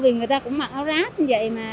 vì người ta cũng mặc áo ráp như vậy mà